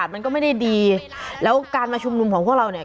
มันก็ไม่ได้ดีแล้วการมาชุมนุมของพวกเราเนี่ย